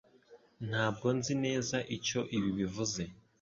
Ntabwo nzi neza icyo ibi bivuze